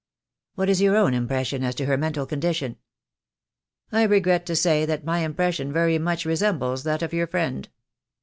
"What is your own impression as to her mental con dition?" "I regret to say that my impression very much re sembles that of your friend.